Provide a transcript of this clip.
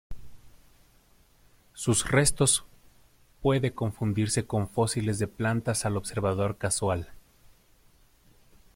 Sus restos puede confundirse con fósiles de plantas al observador casual.